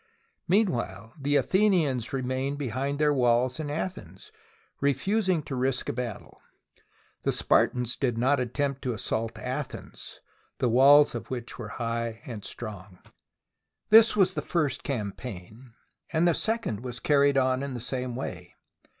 Meanwhile, the Athenians remained behind their walls in Athens, refusing to risk a battle. The Spartans did not attempt to assault Athens, the walls of which were high and strong. This was the first campaign, and the second was carried on in the same way.